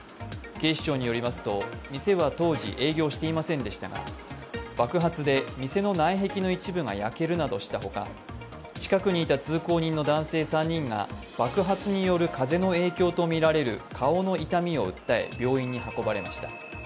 警視庁によりますと、店は当時営業していませんでしたが爆発で店の内壁の一部が焼けるなどした他、近くにいた通行人の男性３人が爆発による風の影響とみられる顔の痛みを訴え病院に運ばれました。